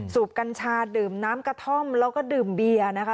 กัญชาดื่มน้ำกระท่อมแล้วก็ดื่มเบียร์นะคะ